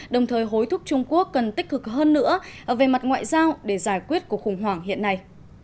đồng thời hối thúc trung quốc cần tích cực hơn nữa về mặt ngoại giao để giải quyết cuộc khủng hoảng hiện nay